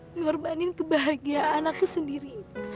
mengorbanin kebahagiaan aku sendiri